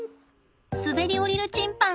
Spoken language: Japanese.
滑り降りるチンパン！